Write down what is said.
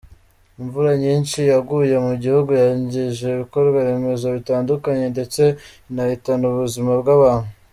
Imvura nyinshi yaguye mu gihugu yangije ibikorwaremezo bitandukanye ndetse inahitana ubuzima bw’abantu.